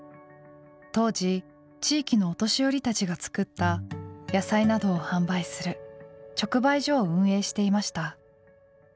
当時地域のお年寄りたちが作った野菜などを販売する直売所を運営していました。